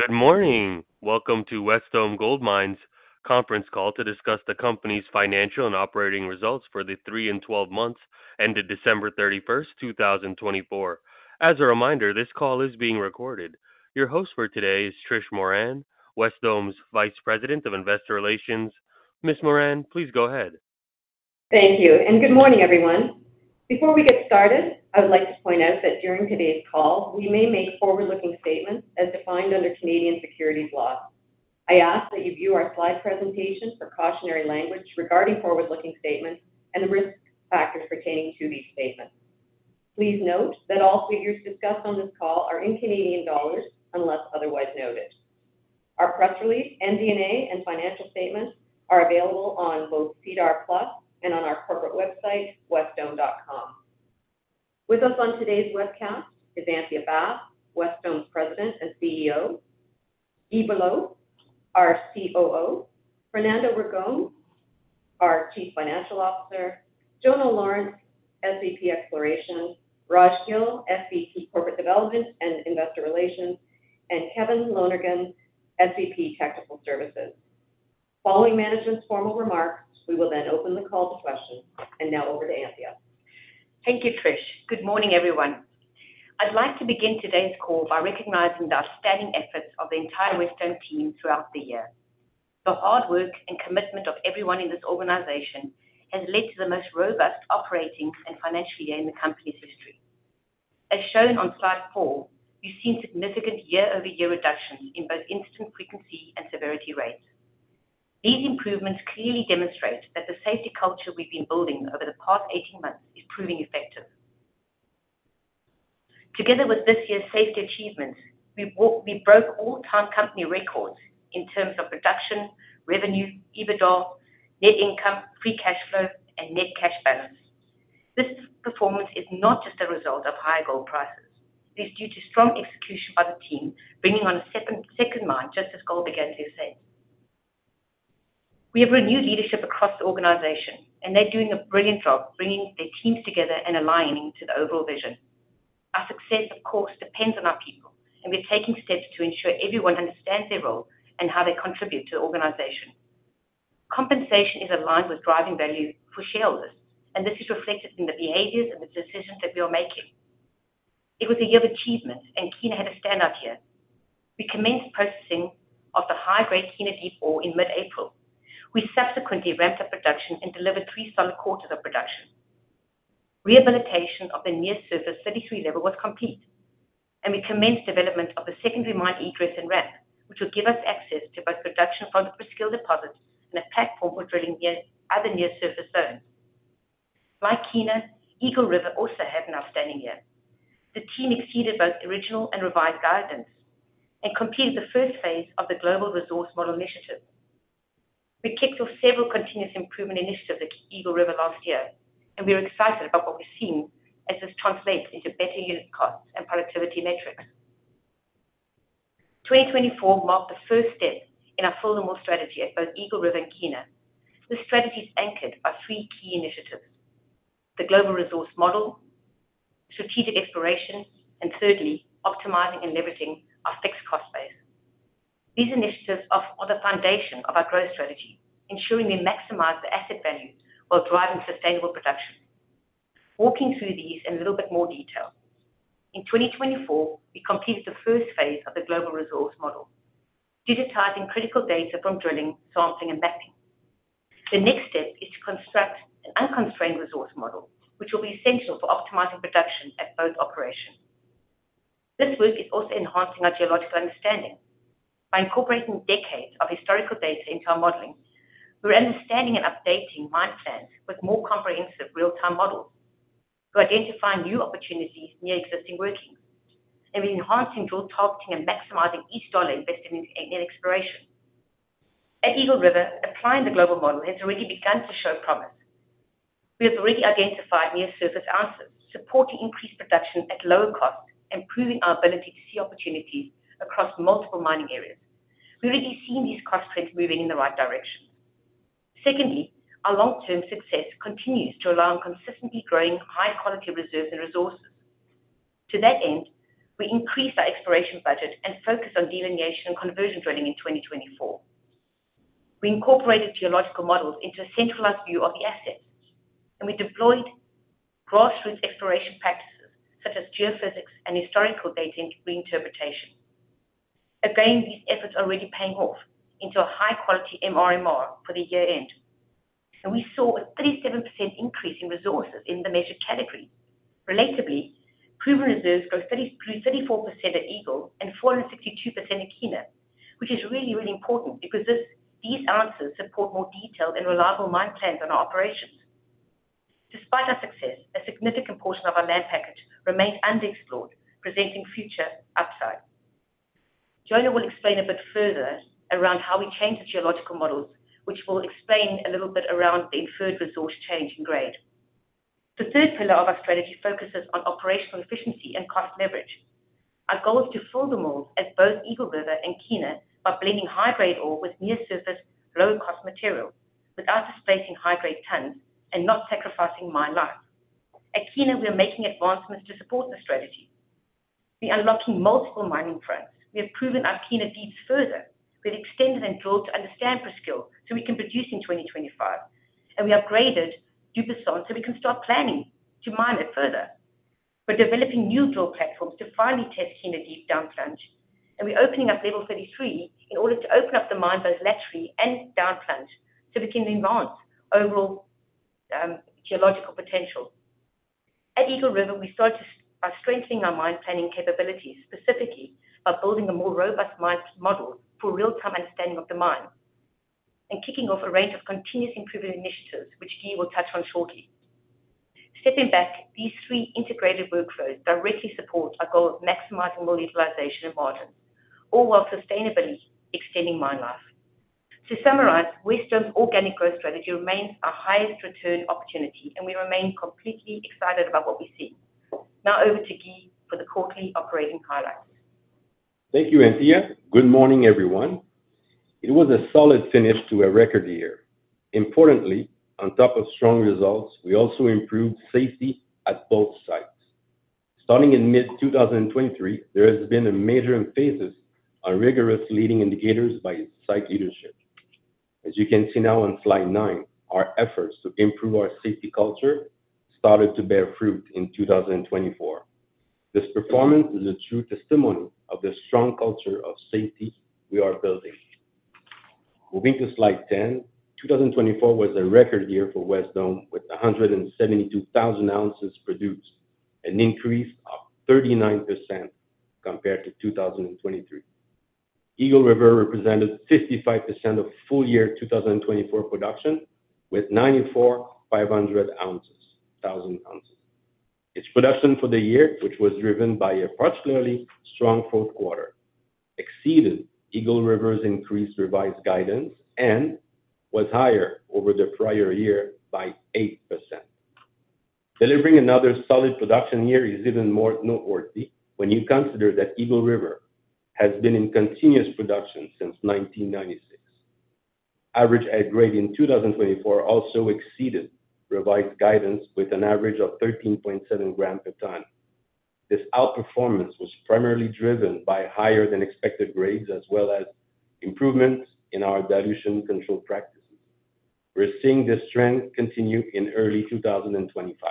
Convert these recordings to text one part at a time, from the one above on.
Good morning. Welcome to Wesdome Gold Mines' conference call to discuss the company's financial and operating results for the three and twelve months ended December 31, 2024. As a reminder, this call is being recorded. Your host for today is Trish Moran, Wesdome's Vice President of Investor Relations. Ms. Moran, please go ahead. Thank you, and good morning, everyone. Before we get started, I would like to point out that during today's call, we may make forward-looking statements as defined under Canadian securities law. I ask that you view our slide presentation for cautionary language regarding forward-looking statements and the risk factors pertaining to these statements. Please note that all figures discussed on this call are in CAD unless otherwise noted. Our press release, MD&A, and financial statements are available on both SEDAR+ and on our corporate website, wesdome.com. With us on today's webcast is Anthea Bath, Wesdome's President and CEO, Guy Belleau, our COO, Fernando Ragone, our Chief Financial Officer, Jono Lawrence, SVP Exploration, Raj Gill, SVP Corporate Development and Investor Relations, and Kevin Lonergan, SVP Technical Services. Following management's formal remarks, we will then open the call to questions. Now over to Anthea. Thank you, Trish. Good morning, everyone. I'd like to begin today's call by recognizing the outstanding efforts of the entire Wesdome team throughout the year. The hard work and commitment of everyone in this organization has led to the most robust operating and financial year in the company's history. As shown on slide four, you've seen significant year-over-year reductions in both incident frequency and severity rates. These improvements clearly demonstrate that the safety culture we've been building over the past 18 months is proving effective. Together with this year's safety achievements, we broke all-time company records in terms of production, revenue, EBITDA, net income, free cash flow, and net cash balance. This performance is not just a result of higher gold prices. It is due to strong execution by the team, bringing on a second mine just as gold began to ascend. We have renewed leadership across the organization, and they're doing a brilliant job bringing their teams together and aligning to the overall vision. Our success, of course, depends on our people, and we're taking steps to ensure everyone understands their role and how they contribute to the organization. Compensation is aligned with driving value for shareholders, and this is reflected in the behaviors and the decisions that we are making. It was a year of achievement, and Kiena had a standout year. We commenced processing of the high-grade Kiena Deep ore in mid-April. We subsequently ramped up production and delivered three solid quarters of production. Rehabilitation of the near-surface 33 level was complete, and we commenced development of the secondary mine egress and ramp, which will give us access to both production from the Presqu’ile deposit and a platform for drilling near other near-surface zones. Like Kiena, Eagle River also had an outstanding year. The team exceeded both original and revised guidance and completed the Phase I of the Global Resource Model Initiative. We kicked off several continuous improvement initiatives at Eagle River last year, and we are excited about what we are seeing as this translates into better unit costs and productivity metrics. 2024 marked the first step in our full and more strategy at both Eagle River and Kiena. This strategy is anchored by three key initiatives: the Global Resource Model, strategic exploration, and thirdly, optimizing and leveraging our fixed cost base. These initiatives offer the foundation of our growth strategy, ensuring we maximize the asset value while driving sustainable production. Walking through these in a little bit more detail, in 2024, we completed the Phase I of the Global Resource Model, digitizing critical data from drilling, sampling, and mapping. The next step is to construct an unconstrained resource model, which will be essential for optimizing production at both operations. This work is also enhancing our geological understanding. By incorporating decades of historical data into our modeling, we're understanding and updating mine plans with more comprehensive real-time models. We're identifying new opportunities near existing workings, and we're enhancing drift targeting and maximizing each dollar investment in exploration. At Eagle River, applying the Global Resource Model has already begun to show promise. We have already identified near-surface ounces supporting increased production at lower costs, improving our ability to see opportunities across multiple mining areas. We've already seen these cost trends moving in the right direction. Secondly, our long-term success continues to allow consistently growing high-quality reserves and resources. To that end, we increased our exploration budget and focused on delineation and conversion drilling in 2024. We incorporated geological models into a centralized view of the assets, and we deployed grassroots exploration practices such as geophysics and historical data reinterpretation. Again, these efforts are already paying off into a high-quality MRMR for the year-end, and we saw a 37% increase in resources in the measured category. Relatively, proven reserves grew 34% at Eagle and 462% at Kiena, which is really, really important because these ounces support more detailed and reliable mine plans on our operations. Despite our success, a significant portion of our land package remains unexplored, presenting future upside. Jono will explain a bit further around how we changed the geological models, which will explain a little bit around the inferred resource change in grade. The third pillar of our strategy focuses on operational efficiency and cost leverage. Our goal is to fill the mills at both Eagle River and Kiena by blending high-grade ore with near-surface low-cost material without displacing high-grade tons and not sacrificing mine life. At Kiena, we are making advancements to support the strategy. We are unlocking multiple mining fronts. We have proven our Kiena Deeps further. We have extended and drilled to understand Presqu'île so we can produce in 2025, and we upgraded Dubuisson so we can start planning to mine it further. We are developing new drill platforms to finally test Kiena Deep downplunge, and we are opening up level 33 in order to open up the mine both laterally and downplunge so we can enhance overall geological potential. At Eagle River, we started by strengthening our mine planning capabilities specifically by building a more robust mine model for real-time understanding of the mine and kicking off a range of continuous improvement initiatives, which Guy will touch on shortly. Stepping back, these three integrated workflows directly support our goal of maximizing mill utilization and margins, all while sustainably extending mine life. To summarize, Wesdome's organic growth strategy remains our highest return opportunity, and we remain completely excited about what we see. Now over to Guy for the quarterly operating highlights. Thank you, Anthea. Good morning, everyone. It was a solid finish to a record year. Importantly, on top of strong results, we also improved safety at both sites. Starting in mid-2023, there has been a major emphasis on rigorous leading indicators by site leadership. As you can see now on slide nine, our efforts to improve our safety culture started to bear fruit in 2024. This performance is a true testimony of the strong culture of safety we are building. Moving to slide 10, 2024 was a record year for Wesdome with 172,000 ounces produced, an increase of 39% compared to 2023. Eagle River represented 55% of full year 2024 production with 94,500 ounces. Its production for the year, which was driven by a particularly strong Q4, exceeded Eagle River's increased revised guidance and was higher over the prior year by 8%. Delivering another solid production year is even more noteworthy when you consider that Eagle River has been in continuous production since 1996. Average head grade in 2024 also exceeded revised guidance with an average of 13.7 grams per tonne. This outperformance was primarily driven by higher-than-expected grades as well as improvements in our dilution control practices. We're seeing this trend continue in early 2025.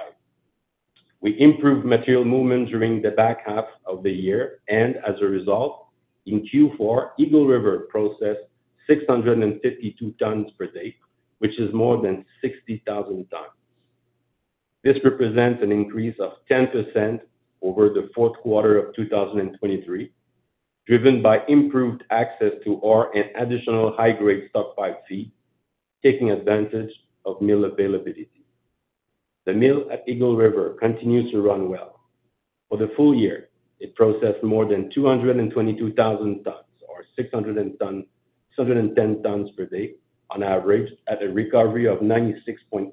We improved material movement during the back half of the year, and as a result, in Q4, Eagle River processed 652 tonnes per day, which is more than 60,000 tonnes. This represents an increase of 10% over the Q4 of 2023, driven by improved access to ore and additional high-grade stockpile feed, taking advantage of mill availability. The mill at Eagle River continues to run well. For the full year, it processed more than 222,000 tons, or 610 tons per day, on average, at a recovery of 96.8%.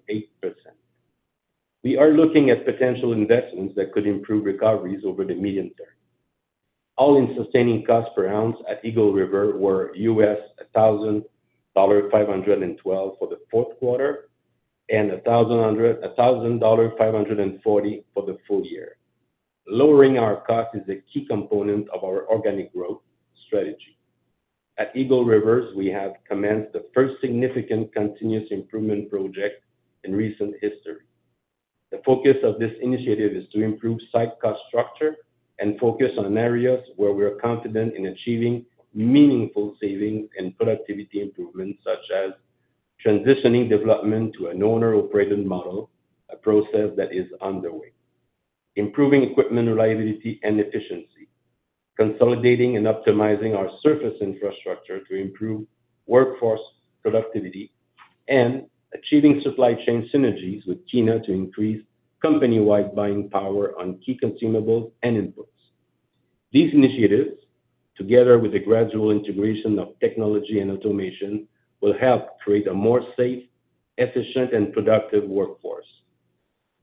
We are looking at potential investments that could improve recoveries over the medium term. All-in sustaining costs per ounce at Eagle River were $1,512 for the Q4 and $1,540 for the full year. Lowering our cost is a key component of our organic growth strategy. At Eagle River, we have commenced the first significant continuous improvement project in recent history. The focus of this initiative is to improve site cost structure and focus on areas where we are confident in achieving meaningful savings and productivity improvements, such as transitioning development to an owner-operated model, a process that is underway. Improving equipment reliability and efficiency, consolidating and optimizing our surface infrastructure to improve workforce productivity, and achieving supply chain synergies with Kiena to increase company-wide buying power on key consumables and inputs. These initiatives, together with the gradual integration of technology and automation, will help create a more safe, efficient, and productive workforce.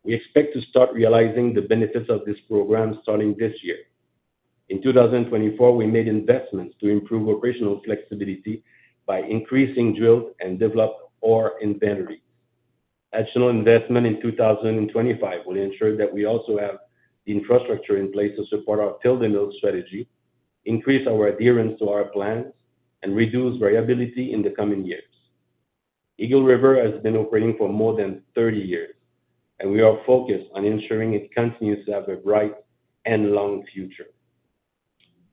We expect to start realizing the benefits of this program starting this year. In 2024, we made investments to improve operational flexibility by increasing drilled and developed ore inventories. Additional investment in 2025 will ensure that we also have the infrastructure in place to support our Fill-the-Mill strategy, increase our adherence to our plans, and reduce variability in the coming years. Eagle River has been operating for more than 30 years, and we are focused on ensuring it continues to have a bright and long future.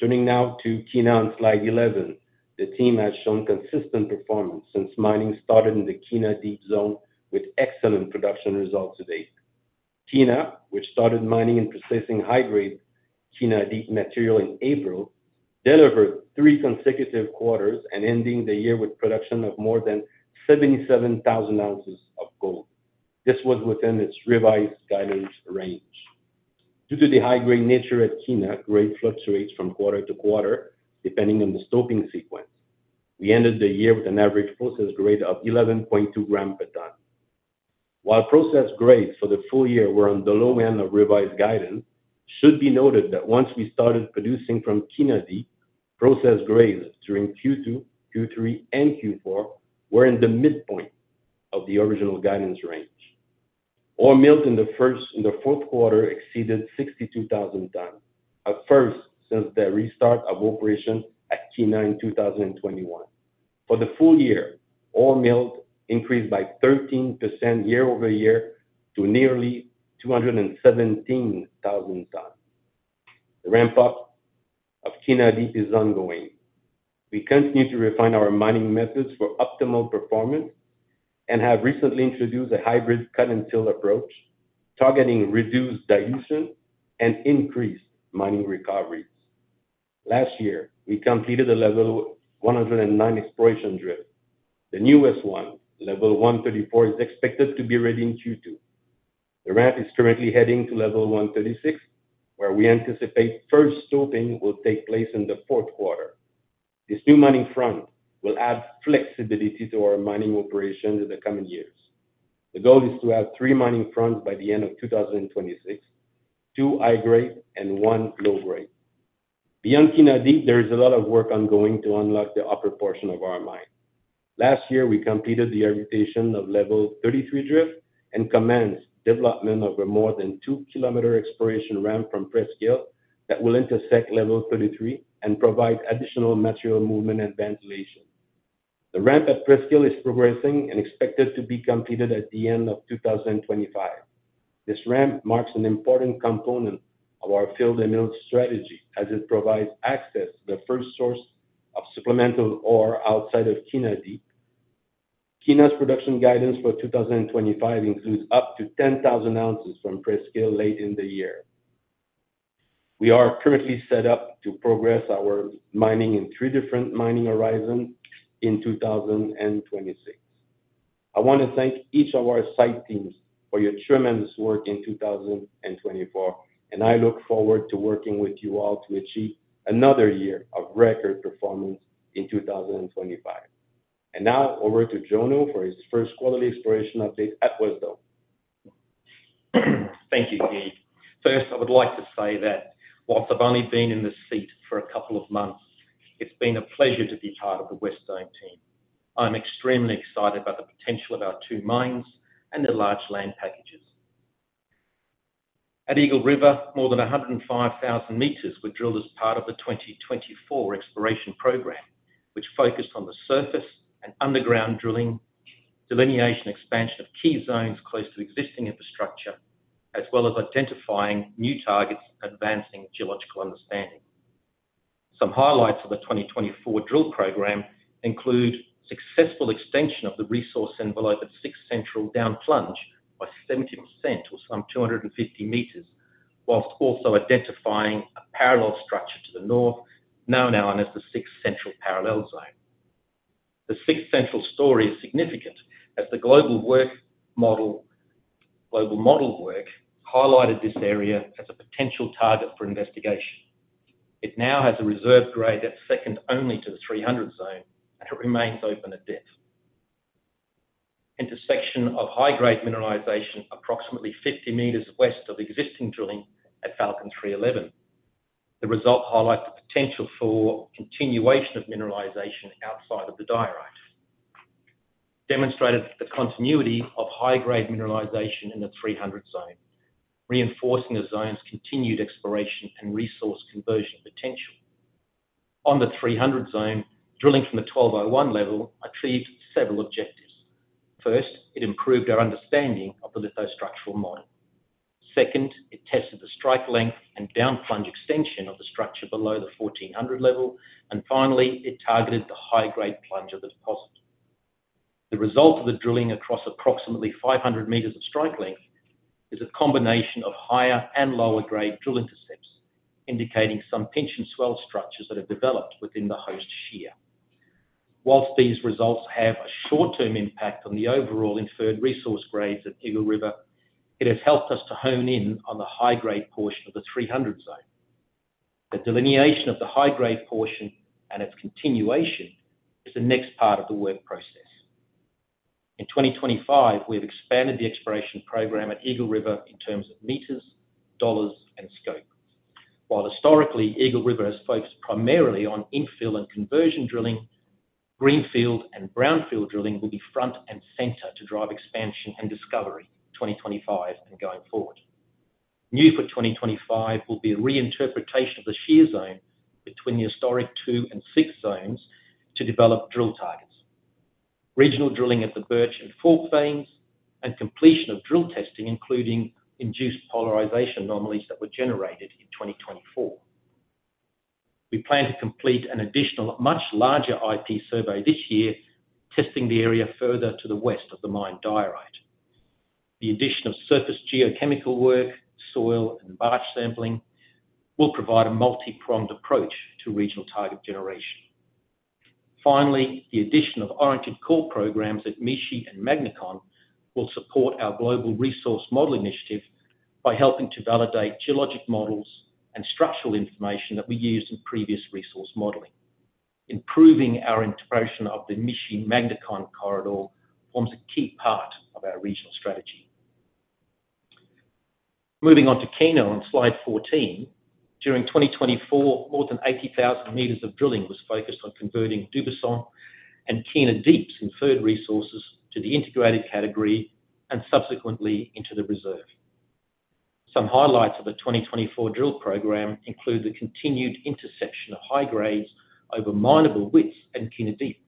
Turning now to Kiena on slide 11, the team has shown consistent performance since mining started in the Kiena Deep Zone with excellent production results to date. Kiena, which started mining and processing high-grade Kiena Deep material in April, delivered three consecutive quarters, ending the year with production of more than 77,000 ounces of gold. This was within its revised guidance range. Due to the high-grade nature at Kiena, grade fluctuates from quarter-to-quarter depending on the stoping sequence. We ended the year with an average process grade of 11.2 grams per tonne. While process grades for the full year were on the low end of revised guidance, it should be noted that once we started producing from Kiena Deep, process grades during Q2, Q3, and Q4 were in the midpoint of the original guidance range. Ore milled in the Q4 exceeded 62,000 tons, the first since the restart of operation at Kiena in 2021. For the full year, ore milled increased by 13% year-over-year to nearly 217,000 tons. The ramp-up of Kiena Deep is ongoing. We continue to refine our mining methods for optimal performance and have recently introduced a hybrid cut-and-fill approach targeting reduced dilution and increased mining recoveries. Last year, we completed a level 109 exploration drill. The newest one, level 134, is expected to be ready in Q2. The ramp is currently heading to level 136, where we anticipate first stoping will take place in the Q4. This new mining front will add flexibility to our mining operations in the coming years. The goal is to have three mining fronts by the end of 2026, two high-grade and one low-grade. Beyond Kiena Deep, there is a lot of work ongoing to unlock the upper portion of our mine. Last year, we completed the excavation of level 33 drill and commenced development of a more than 2 km exploration ramp from Presqu'île that will intersect level 33 and provide additional material movement and ventilation. The ramp at Presqu'île is progressing and expected to be completed at the end of 2025. This ramp marks an important component of our fill-the-mill strategy as it provides access to the first source of supplemental ore outside of Kiena Deep. Kiena's production guidance for 2025 includes up to 10,000 ounces from Presqu'île late in the year. We are currently set up to progress our mining in three different mining horizons in 2026. I want to thank each of our site teams for your tremendous work in 2024, and I look forward to working with you all to achieve another year of record performance in 2025. I will now turn it over to Jono for his first quality exploration update at Wesdome. Thank you, Guy. First, I would like to say that whilst I've only been in this seat for a couple of months, it's been a pleasure to be part of the Wesdome team. I'm extremely excited about the potential of our two mines and the large land packages. At Eagle River, more than 105,000 meters were drilled as part of the 2024 exploration program, which focused on the surface and underground drilling, delineation, expansion of key zones close to existing infrastructure, as well as identifying new targets and advancing geological understanding. Some highlights of the 2024 drill program include successful extension of the resource envelope at 6 Central downplunge by 70% or some 250 meters, whilst also identifying a parallel structure to the north now known as the 6 Central parallel zone. The 6 Central story is significant as the global model work highlighted this area as a potential target for investigation. It now has a reserve grade at second only to the 300 zone, and it remains open at depth. Intersection of high-grade mineralization approximately 50 meters west of existing drilling at Falcon, 311. The result highlights the potential for continuation of mineralization outside of the diorite, demonstrated the continuity of high-grade mineralization in the 300 zone, reinforcing the zone's continued exploration and resource conversion potential. On the 300 zone, drilling from the 1201 level achieved several objectives. First, it improved our understanding of the lithostructural model. Second, it tested the strike length and downplunge extension of the structure below the 1400 level. Finally, it targeted the high-grade plunge of the deposit. The result of the drilling across approximately 500 meters of strike length is a combination of higher and lower-grade drill intercepts, indicating some pinch-and-swell structures that have developed within the host shear. Whilst these results have a short-term impact on the overall inferred resource grades at Eagle River, it has helped us to hone in on the high-grade portion of the 300 zone. The delineation of the high-grade portion and its continuation is the next part of the work process. In 2025, we have expanded the exploration program at Eagle River in terms of meters, dollars, and scope. While historically, Eagle River has focused primarily on infill and conversion drilling, greenfield and brownfield drilling will be front and center to drive expansion and discovery in 2025 and going forward. New for 2025 will be a reinterpretation of the shear zone between the historic two and six zones to develop drill targets, regional drilling at the Birch and Fork veins, and completion of drill testing, including induced polarization anomalies that were generated in 2024. We plan to complete an additional, much larger IP survey this year, testing the area further to the west of the mine diorite. The addition of surface geochemical work, soil, and batch sampling will provide a multi-pronged approach to regional target generation. Finally, the addition of oriented core programs at Mishi and Magnacon will support our Global Resource Model initiative by helping to validate geologic models and structural information that we used in previous resource modeling. Improving our integration of the Mishi-Magnacon corridor forms a key part of our regional strategy. Moving on to Kiena on slide 14, during 2024, more than 80,000 meters of drilling was focused on converting Dubuisson and Kiena Deep's inferred resources to the indicated category and subsequently into the reserve. Some highlights of the 2024 drill program include the continued interception of high grades over minable widths in Kiena Deep,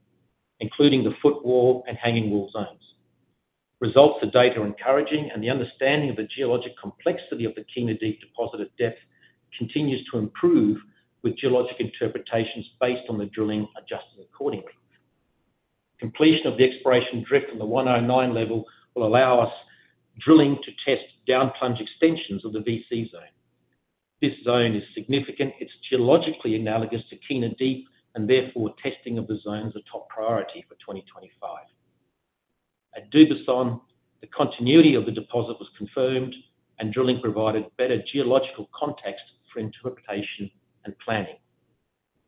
including the footwall and hanging wall zones. Results are data-encouraging, and the understanding of the geologic complexity of the Kiena Deep deposit at depth continues to improve with geologic interpretations based on the drilling adjusted accordingly. Completion of the exploration drift on the 109 level will allow us drilling to test downplunge extensions of the VC zone. This zone is significant. It is geologically analogous to Kiena Deep, and therefore testing of the zone is a top priority for 2025. At Dubuisson, the continuity of the deposit was confirmed, and drilling provided better geological context for interpretation and planning.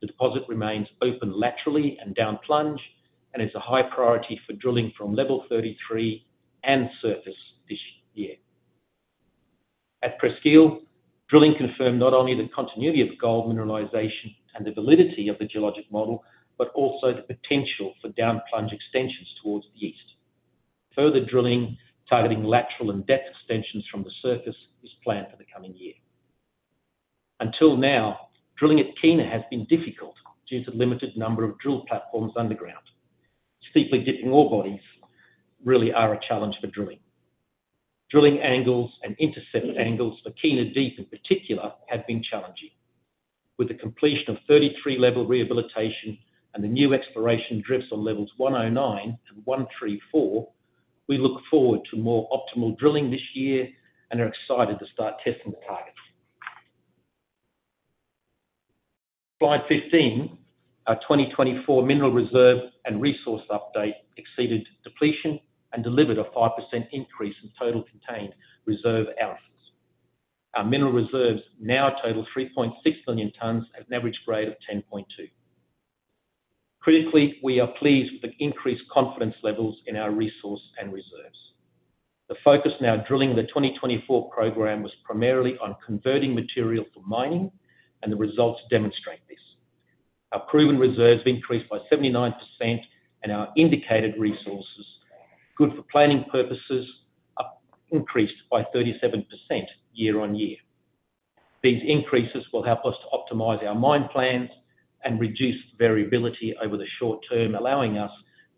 The deposit remains open laterally and downplunge and is a high priority for drilling from level 33 and surface this year. At Presqu'île, drilling confirmed not only the continuity of gold mineralization and the validity of the geologic model, but also the potential for downplunge extensions towards the east. Further drilling targeting lateral and depth extensions from the surface is planned for the coming year. Until now, drilling at Kiena has been difficult due to the limited number of drill platforms underground. Steeply dipping ore bodies really are a challenge for drilling. Drilling angles and intercept angles for Kiena Deep in particular have been challenging. With the completion of 33-level rehabilitation and the new exploration drifts on levels 109 and 134, we look forward to more optimal drilling this year and are excited to start testing the targets. Slide 15, our 2024 mineral reserve and resource update exceeded depletion and delivered a 5% increase in total contained reserve ounces. Our mineral reserves now total 3.6 million tons at an average grade of 10.2. Critically, we are pleased with the increased confidence levels in our resource and reserves. The focus now drilling the 2024 program was primarily on converting material for mining, and the results demonstrate this. Our proven reserves have increased by 79%, and our indicated resources, good for planning purposes, are increased by 37% year-on-year. These increases will help us to optimize our mine plans and reduce variability over the short term, allowing us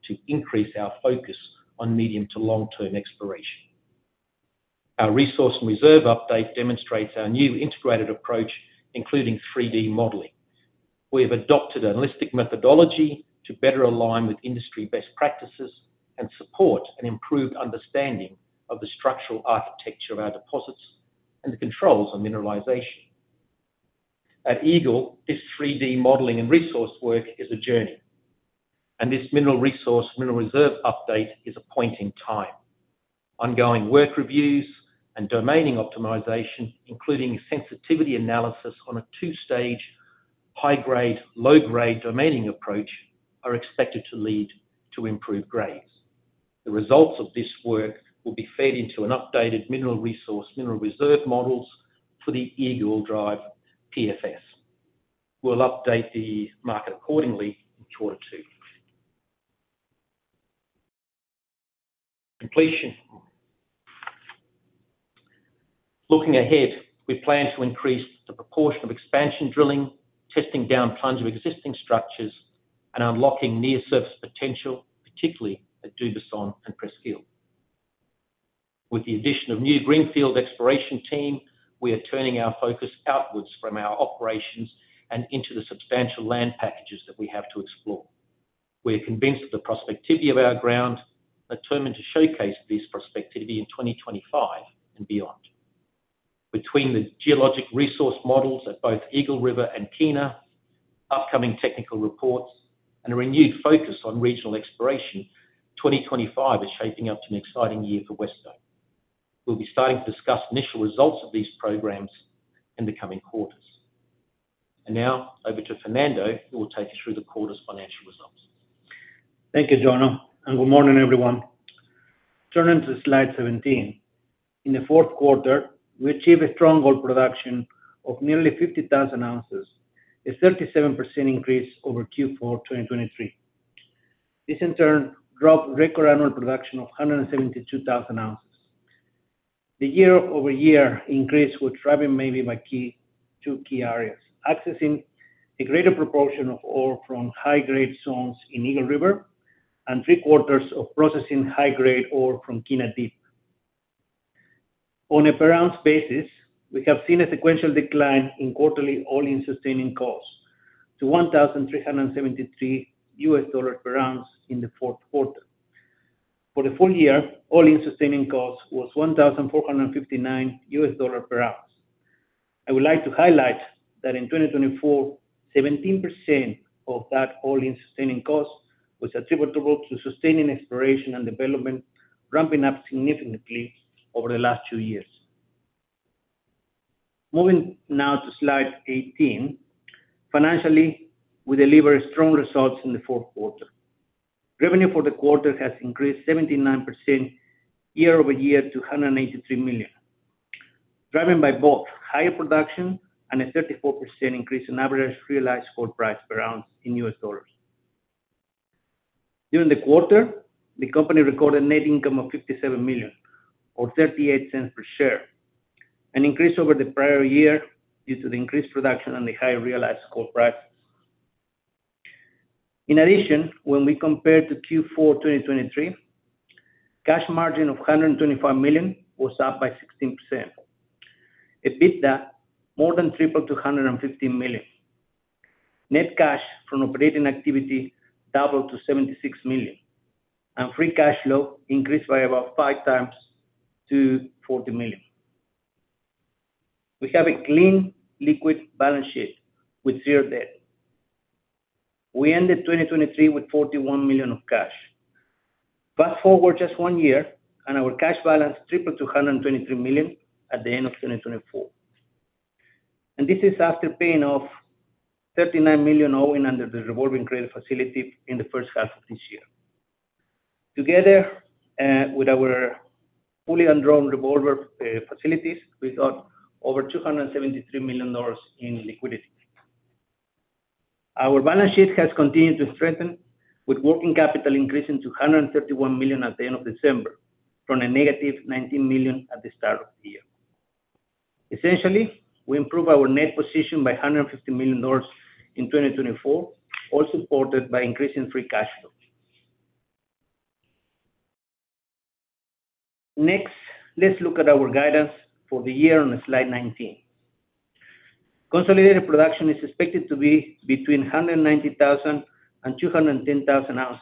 to increase our focus on medium to long-term exploration. Our resource and reserve update demonstrates our new integrated approach, including 3D modeling. We have adopted a holistic methodology to better align with industry best practices and support an improved understanding of the structural architecture of our deposits and the controls on mineralization. At Eagle, this 3D modeling and resource work is a journey, and this mineral resource mineral reserve update is a point in time. Ongoing work reviews and domaining optimization, including sensitivity analysis on a two-stage high-grade, low-grade domaining approach, are expected to lead to improved grades. The results of this work will be fed into an updated mineral resource mineral reserve models for the Eagle Drive PFS. We'll update the market accordingly in Q2. Looking ahead, we plan to increase the proportion of expansion drilling, testing downplunge of existing structures, and unlocking near-surface potential, particularly at Dubuisson and Presqu'île. With the addition of new greenfield exploration team, we are turning our focus outwards from our operations and into the substantial land packages that we have to explore. We are convinced that the prospectivity of our ground determined to showcase this prospectivity in 2025 and beyond. Between the geologic resource models at both Eagle River and Kiena, upcoming technical reports, and a renewed focus on regional exploration, 2025 is shaping up to an exciting year for Wesdome. We'll be starting to discuss initial results of these programs in the coming quarters. Now, over to Fernando, who will take us through the quarter's financial results. Thank you, Jono, and good morning, everyone. Turning to slide 17, in the Q4, we achieved a strong gold production of nearly 50,000 ounces, a 37% increase over Q4 2023. This, in turn, drove record annual production of 172,000 ounces. The year-over-year increase was driven mainly by two key areas: accessing a greater proportion of ore from high-grade zones in Eagle River and Q3 of processing high-grade ore from Kiena Deep. On a per-ounce basis, we have seen a sequential decline in quarterly all-in sustaining costs to $1,373 per ounce in the Q4. For the full year, all-in sustaining costs was $1,459 per ounce. I would like to highlight that in 2024, 17% of that all-in sustaining costs was attributable to sustaining exploration and development ramping up significantly over the last two years. Moving now to slide 18, financially, we delivered strong results in the Q4. Revenue for the quarter has increased 79% year-over-year to CAD 183 million, driven by both higher production and a 34% increase in average realized gold price per ounce in US dollars. During the quarter, the company recorded net income of 57 million, or 0.38 per share, an increase over the prior year due to the increased production and the higher realized gold prices. In addition, when we compared to Q4 2023, cash margin of 125 million was up by 16%, EBITDA more than tripled to 115 million. Net cash from operating activity doubled to 76 million, and free cash flow increased by about five times to 40 million. We have a clean liquid balance sheet with zero debt. We ended 2023 with 41 million of cash. Fast forward just one year, and our cash balance tripled to 123 million at the end of 2024. This is after paying off 39 million owing under the revolving credit facility in the first half of this year. Together with our fully undrawn revolver facilities, we got over 273 million dollars in liquidity. Our balance sheet has continued to strengthen, with working capital increasing to 131 million at the end of December from a negative 19 million at the start of the year. Essentially, we improved our net position by 150 million dollars in 2024, all supported by increasing free cash flow. Next, let's look at our guidance for the year on slide 19. Consolidated production is expected to be between 190,000-210,000 ounces,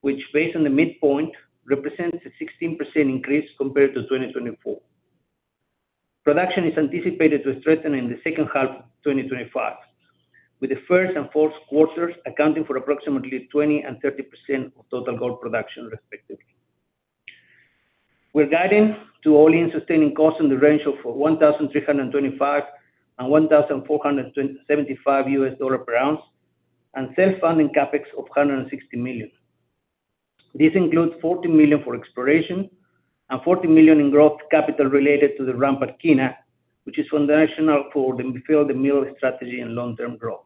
which, based on the midpoint, represents a 16% increase compared to 2024. Production is anticipated to strengthen in the second half of 2025, with the first and Q4 accounting for approximately 20% and 30% of total gold production, respectively. We're guiding to all-in sustaining costs in the range of $1,325-$1,475 per ounce and self-funding CapEx of 160 million. This includes 40 million for exploration and 40 million in growth capital related to the ramp at Kiena, which is foundational for the fill-the-mill strategy and long-term growth.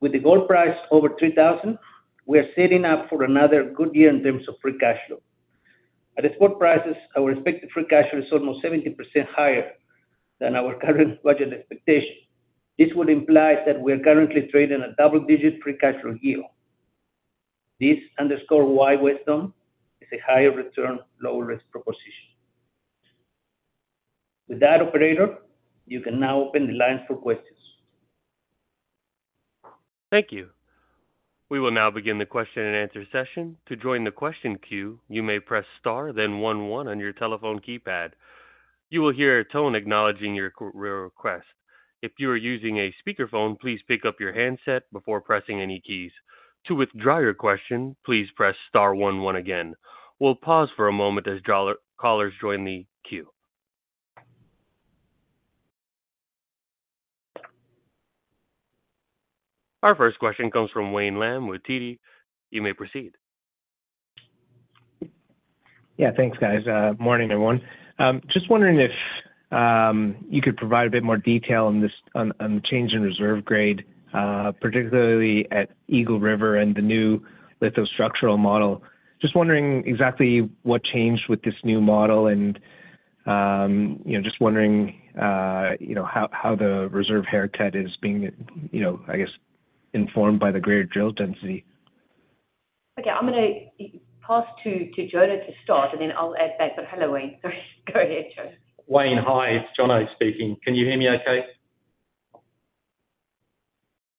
With the gold price over $3,000, we are setting up for another good year in terms of free cash flow. At export prices, our expected free cash flow is almost 70% higher than our current budget expectation. This would imply that we are currently trading a double-digit free cash flow year. This underscores why Wesdome is a higher-return, lower-risk proposition. With that, operator, you can now open the lines for questions. Thank you. We will now begin the question-and-answer session. To join the question queue, you may press star, then 1-1 on your telephone keypad. You will hear a tone acknowledging your request. If you are using a speakerphone, please pick up your handset before pressing any keys. To withdraw your question, please press star 1-1 again. We'll pause for a moment as callers join the queue. Our first question comes from Wayne Lam with TD. You may proceed. Yeah, thanks, guys. Morning, everyone. Just wondering if you could provide a bit more detail on the change in reserve grade, particularly at Eagle River and the new lithostructural model. Just wondering exactly what changed with this new model and just wondering how the reserve haircut is being, I guess, informed by the greater drill density. Okay, I'm going to pass to Jono to start, and then I'll add back. Hello, Wayne. Sorry. Go ahead, Jono. Wayne, hi. Jono speaking. Can you hear me okay?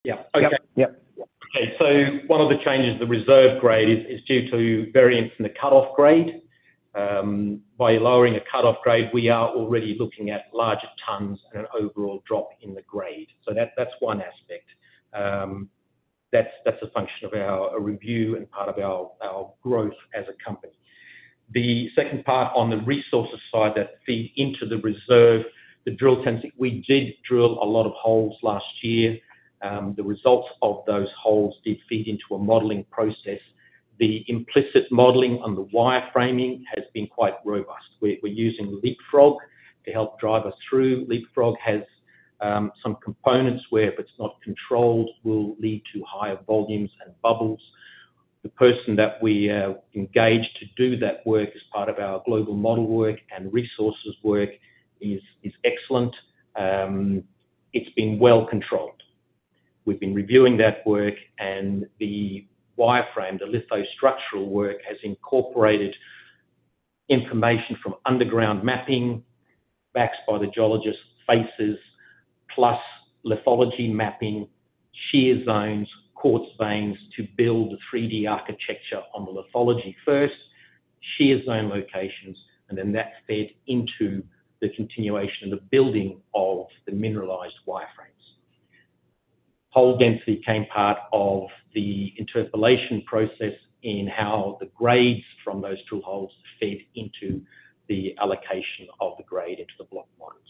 Yeah. Okay. Yep. Okay. One of the changes, the reserve grade, is due to variance in the cutoff grade. By lowering a cutoff grade, we are already looking at larger tons and an overall drop in the grade. That is one aspect. That is a function of our review and part of our growth as a company. The second part on the resources side that feed into the reserve, the drill tendency—we did drill a lot of holes last year. The results of those holes did feed into a modeling process. The implicit modeling on the wire framing has been quite robust. We are using Leapfrog to help drive us through. Leapfrog has some components where, if it is not controlled, will lead to higher volumes and bubbles. The person that we engaged to do that work as part of our global model work and resources work is excellent. It has been well controlled. We've been reviewing that work, and the wireframe, the lithostructural work, has incorporated information from underground mapping, backed by the geologist's faces, plus lithology mapping, shear zones, quartz veins to build the 3D architecture on the lithology first, shear zone locations, and then that fed into the continuation of the building of the mineralized wireframes. Hole density became part of the interpolation process in how the grades from those tool holes fed into the allocation of the grade into the block models.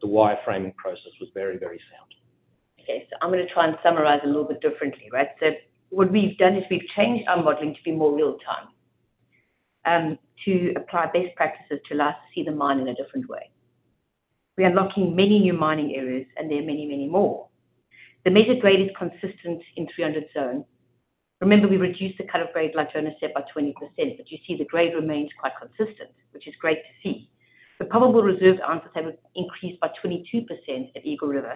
The wireframing process was very, very sound. Okay, I'm going to try and summarize a little bit differently, right? What we've done is we've changed our modeling to be more real-time to apply best practices to us, see the mine in a different way. We are unlocking many new mining areas, and there are many, many more. The major grade is consistent in 300 zones. Remember, we reduced the cutoff grade, like Jono said, by 20%, but you see the grade remains quite consistent, which is great to see. The probable reserved ounces have increased by 22% at Eagle River.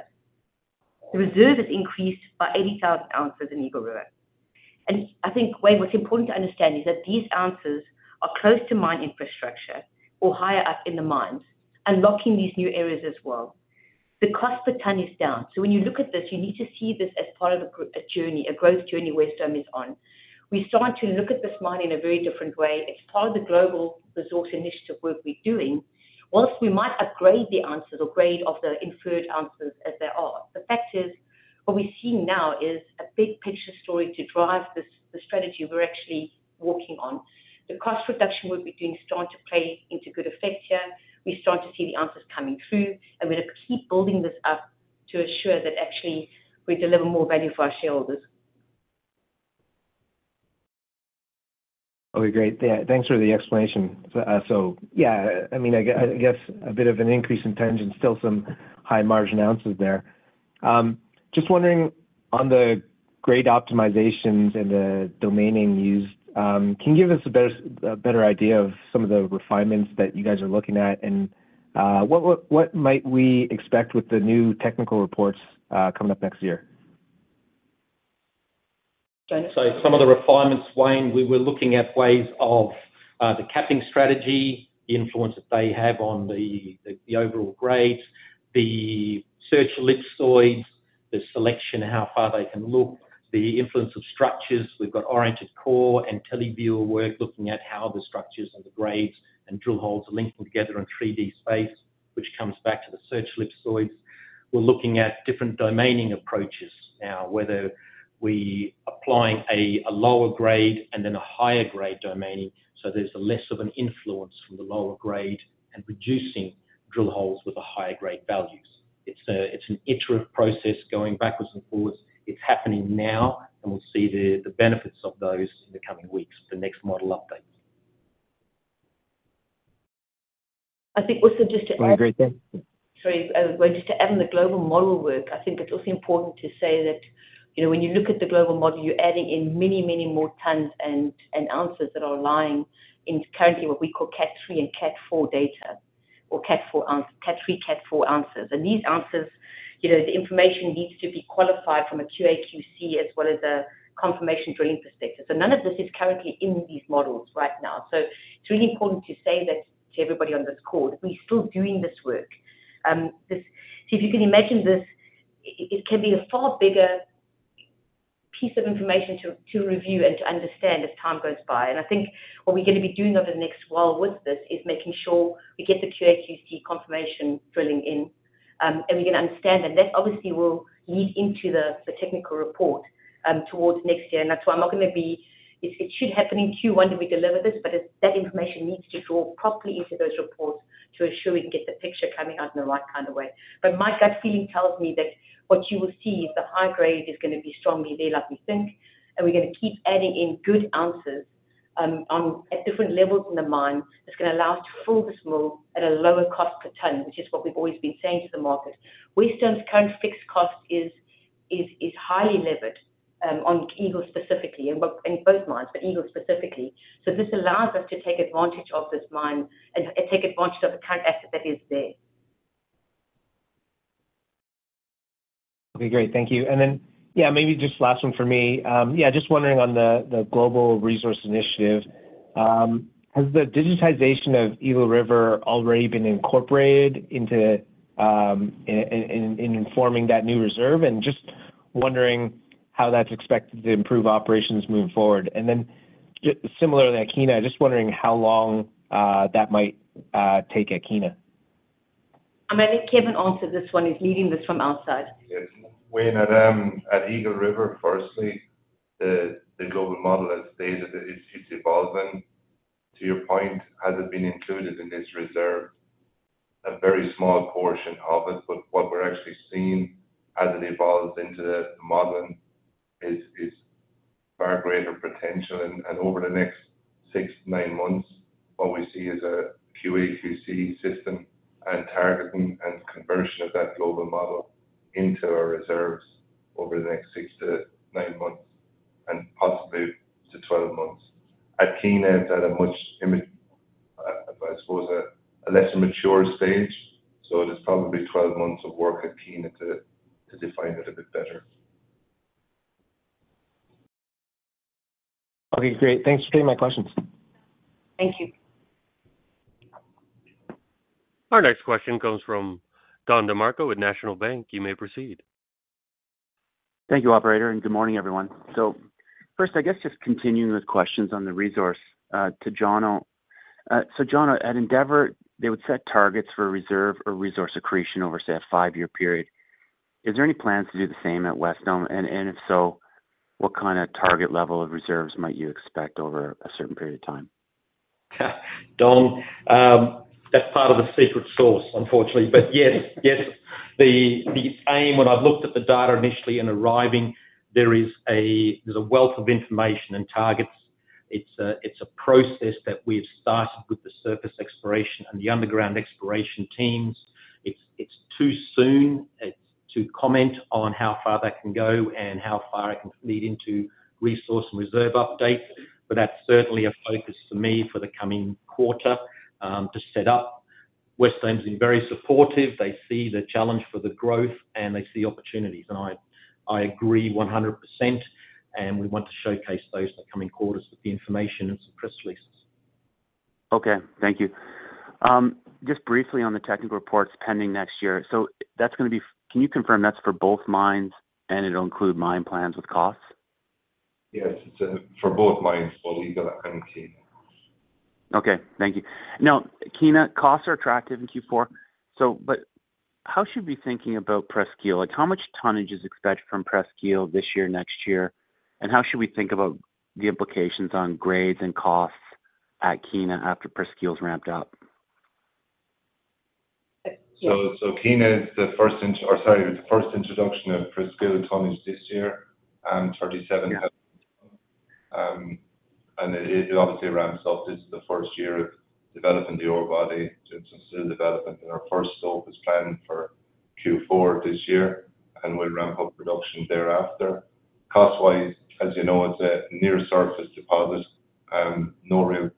The reserve has increased by 80,000 ounces in Eagle River. I think, Wayne, what's important to understand is that these ounces are close to mine infrastructure or higher up in the mines, unlocking these new areas as well. The cost per ton is down. When you look at this, you need to see this as part of a journey, a growth journey Wesdome is on. We start to look at this mine in a very different way. It's part of the global resource initiative work we're doing. Whilst we might upgrade the ounces or grade of the inferred ounces as they are, the fact is what we're seeing now is a big picture story to drive the strategy we're actually working on. The cost reduction work we're doing is starting to play into good effect here. We're starting to see the ounces coming through, and we're going to keep building this up to assure that actually we deliver more value for our shareholders. Okay, great. Thanks for the explanation. Yeah, I mean, I guess a bit of an increase in tension and still some high-margin ounces there. Just wondering on the grade optimizations and the domaining used, can you give us a better idea of some of the refinements that you guys are looking at, and what might we expect with the new technical reports coming up next year? Some of the refinements, Wayne, we were looking at ways of the capping strategy, the influence that they have on the overall grades, the search ellipsoids, the selection, how far they can look, the influence of structures. We've got oriented core and tele-view work looking at how the structures and the grades and drill holes are linking together in 3D space, which comes back to the search ellipsoids. We're looking at different domaining approaches now, whether we're applying a lower grade and then a higher grade domaining, so there's less of an influence from the lower grade and reducing drill holes with the higher grade values. It's an iterative process going backwards and forwards. It's happening now, and we'll see the benefits of those in the coming weeks, the next model updates. I think also just to add. Sorry. Sorry. Just to add on the global model work, I think it's also important to say that when you look at the global model, you're adding in many, many more tons and ounces that are lying in currently what we call Cat 3 and Cat 4 data or Cat 3, Cat 4 ounces. These ounces, the information needs to be qualified from a QAQC as well as a confirmation drilling perspective. None of this is currently in these models right now. It is really important to say that to everybody on this call that we're still doing this work. If you can imagine this, it can be a far bigger piece of information to review and to understand as time goes by. I think what we're going to be doing over the next while with this is making sure we get the QAQC confirmation drilling in, and we're going to understand that. That obviously will lead into the technical report towards next year. That's why I'm not going to be—it should happen in Q1 that we deliver this, but that information needs to draw properly into those reports to ensure we can get the picture coming out in the right kind of way. My gut feeling tells me that what you will see is the high grade is going to be strongly there, like we think, and we're going to keep adding in good ounces at different levels in the mine that's going to allow us to fold this move at a lower cost per ton, which is what we've always been saying to the market. Wesdome's current fixed cost is highly levered on Eagle specifically, in both mines, but Eagle specifically. This allows us to take advantage of this mine and take advantage of the current asset that is there. Okay, great. Thank you. Yeah, maybe just last one for me. Yeah, just wondering on the global resource initiative, has the digitization of Eagle River already been incorporated into informing that new reserve? Just wondering how that's expected to improve operations moving forward. Similarly, at Kiena, just wondering how long that might take at Kiena. I'm only Kevin on to this one who's leading this from outside. Yes. Wayne, at Eagle River firstly, the global model has stated that it's evolving. To your point, it hasn't been included in this reserve. A very small portion of it, but what we're actually seeing as it evolves into the modeling is far greater potential. Over the next six to nine months, what we see is a QAQC system and targeting and conversion of that global model into our reserves over the next six to nine months and possibly to 12 months. At Kiena it's at a much, I suppose, a lesser mature stage. There's probably 12 months of work at Kiena to define it a bit better. Okay, great. Thanks for taking my questions. Thank you. Our next question comes from Don DeMarco with National Bank. You may proceed. Thank you, Operator. Good morning, everyone. First, I guess just continuing with questions on the resource to Jono. Jono, at Endeavour, they would set targets for reserve or resource accretion over, say, a five-year period. Is there any plans to do the same at Wesdome? If so, what kind of target level of reserves might you expect over a certain period of time? Yeah. Don, that's part of the secret sauce, unfortunately. Yes, yes. The aim, when I've looked at the data initially and arriving, there is a wealth of information and targets. It's a process that we've started with the surface exploration and the underground exploration teams. It's too soon to comment on how far that can go and how far it can lead into resource and reserve updates. That's certainly a focus for me for the coming quarter to set up. Wesdome's been very supportive. They see the challenge for the growth, and they see opportunities. I agree 100%. We want to showcase those in the coming quarters with the information and some press releases. Okay. Thank you. Just briefly on the technical reports pending next year. That is going to be—can you confirm that is for both mines, and it will include mine plans with costs? Yes. It is for both mines, for Eagle and Kiena. Okay. Thank you. Now, Kiena, costs are attractive in Q4. How should we be thinking about Presqu'îlel? How much tonnage is expected from Presqu'île this year, next year? How should we think about the implications on grades and costs at Kiena after Presqu'île ramped up? Kiena is the first—or sorry, the first introduction of Presqu'île tonnage this year, 37 tonnes. It obviously ramps up. This is the first year of developing the ore body. It is still developing. Our first stop is planned for Q4 this year, and we will ramp up production thereafter. Cost-wise, as you know, it is a near-surface deposit.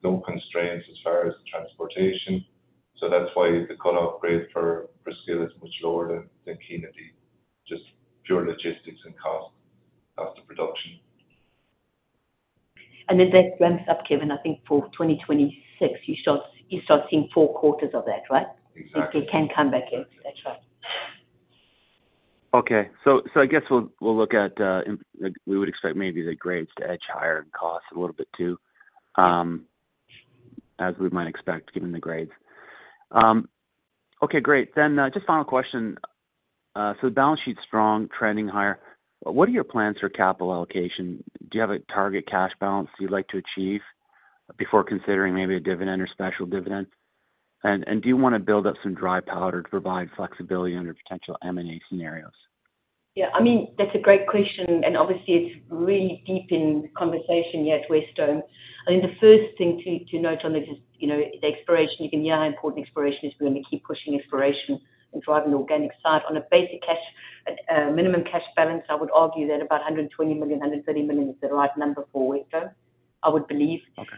No constraints as far as transportation. That is why the cutoff grade forPresqu'île is much lower than Kiena, just pure logistics and cost of production. That ramps up, Kevin, I think for 2026. You start seeing Q4 of that, right? Exactly. If they can come back in. That's right. Okay. I guess we'll look at—we would expect maybe the grades to edge higher in cost a little bit too, as we might expect given the grades. Okay, great. Just final question. The balance sheet's strong, trending higher. What are your plans for capital allocation? Do you have a target cash balance you'd like to achieve before considering maybe a dividend or special dividend? Do you want to build up some dry powder to provide flexibility under potential M&A scenarios? Yeah. I mean, that's a great question. Obviously, it's really deep in conversation yet, Wesdome. I think the first thing to note, Jono, is the exploration. You can, yeah, import exploration if we're going to keep pushing exploration and driving the organic side on a basic cash—minimum cash balance, I would argue that about 120 to 130 million is the right number for Wesdome, I would believe. That's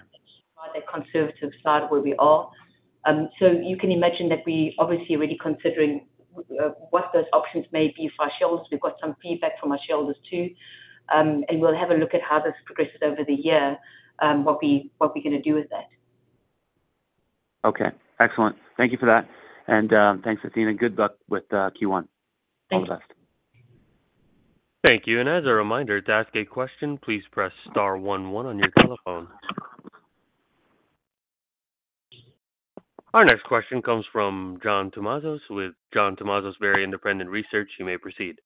quite a conservative side where we are. You can imagine that we're obviously already considering what those options may be for our shareholders. We've got some feedback from our shareholders too. We'll have a look at how this progresses over the year, what we're going to do with that. Okay. Excellent. Thank you for that. And thanks, Anthea. Good luck with Q1. Thanks. All the best. Thank you. As a reminder, to ask a question, please press star 11 on your telephone. Our next question comes from John Tumazos with John Tumazos Very Independent Research. You may proceed.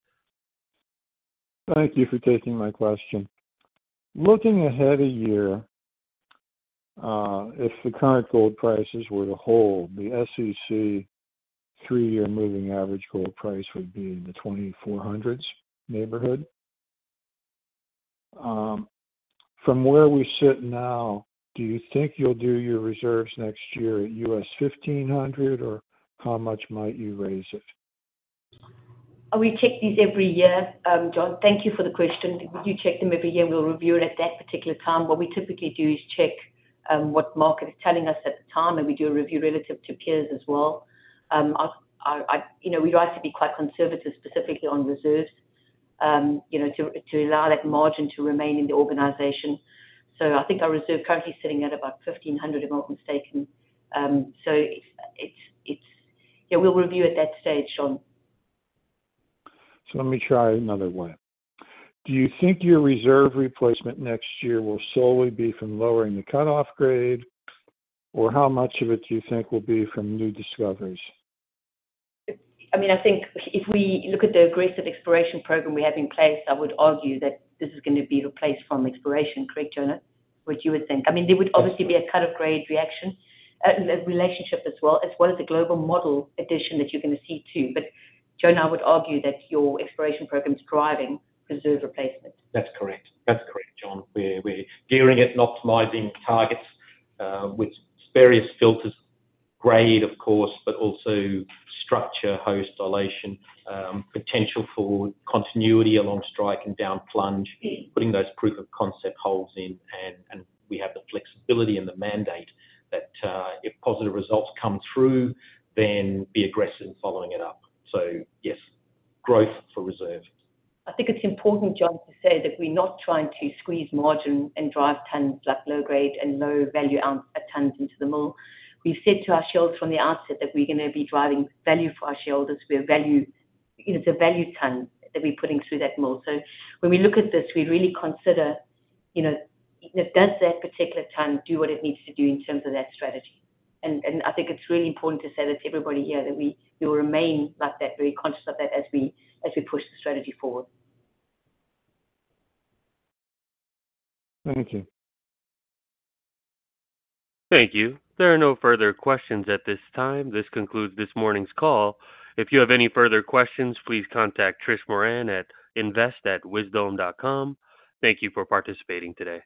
Thank you for taking my question. Looking ahead a year, if the current gold prices were to hold, the SEC three-year moving average gold price would be in the $2,400s neighborhood. From where we sit now, do you think you'll do your reserves next year at $1,500, or how much might you raise it? We check these every year. John, thank you for the question. We do check them every year. We will review it at that particular time. What we typically do is check what the market is telling us at the time, and we do a review relative to peers as well. We like to be quite conservative, specifically on reserves, to allow that margin to remain in the organization. I think our reserve currently is sitting at about 1,500, if I am not mistaken. We will review at that stage, John. Let me try another one. Do you think your reserve replacement next year will solely be from lowering the cutoff grade, or how much of it do you think will be from new discoveries? I mean, I think if we look at the aggressive exploration program we have in place, I would argue that this is going to be replaced from exploration. Correct, Jono, what you would think? I mean, there would obviously be a cutoff grade reaction relationship as well, as well as the global model addition that you're going to see too. But Jono, I would argue that your exploration program is driving reserve replacement. That's correct. That's correct, John. We're gearing it and optimizing targets with various filters, grade, of course, but also structure, host dilation, potential for continuity along strike and downplunge, putting those proof of concept holes in. We have the flexibility and the mandate that if positive results come through, then be aggressive in following it up. Yes, growth for reserve. I think it's important, John, to say that we're not trying to squeeze margin and drive tons like low-grade and low-value ounce tons into the mill. We've said to our shareholders from the outset that we're going to be driving value for our shareholders. It's a value ton that we're putting through that mill. When we look at this, we really consider if that particular ton does what it needs to do in terms of that strategy. I think it's really important to say that to everybody here that we will remain like that, very conscious of that as we push the strategy forward. Thank you. Thank you. There are no further questions at this time. This concludes this morning's call. If you have any further questions, please contact Trish Moran at invest@wesdome.com. Thank you for participating today.